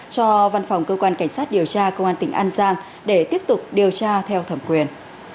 cho văn phòng cơ quan cảnh sát điều tra công an tỉnh an giang để tiếp tục điều tra theo thẩm quyền